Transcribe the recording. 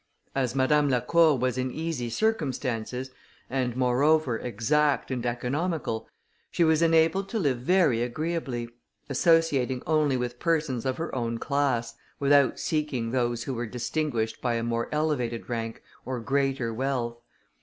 As Madame Lacour was in easy circumstances, and, moreover, exact and economical, she was enabled to live very agreeably, associating only with persons of her own class, without seeking those who were distinguished by a more elevated rank, or greater wealth.